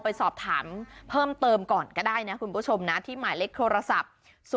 ไปสอบถามเพิ่มเติมก่อนก็ได้นะคุณผู้ชมนะที่หมายเลขโทรศัพท์